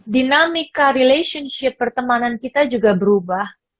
dinamika relationship pertemanan kita juga berubah